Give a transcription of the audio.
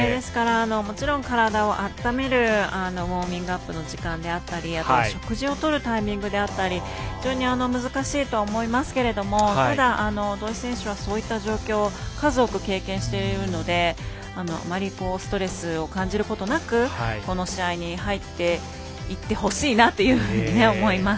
もちろん体をあっためるウォーミングアップであったり食事をとるタイミングであったり非常に難しいと思いますけれどもただ、土居選手はそういう状況を数多く経験しているのであまりストレスを感じることなくこの試合に入っていってほしいなと思います。